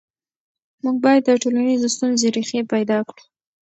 موږ باید د ټولنیزو ستونزو ریښې پیدا کړو.